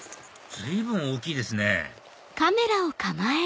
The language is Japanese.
随分大きいですね